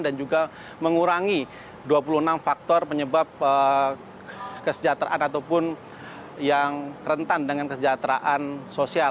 dan juga mengurangi dua puluh enam faktor penyebab kesejahteraan ataupun yang rentan dengan kesejahteraan sosial